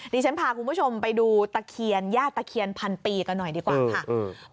ดิฉันพาคุณผู้ชมไปดูตะเคียนญาติตะเคียนพันปีกันหน่อยดีกว่าค่ะ